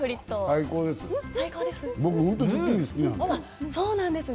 最高です！